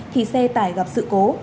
thì xe tải gặp sự cố